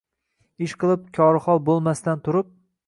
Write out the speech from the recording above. Ishqilib, kori hol bo’lmasdan turib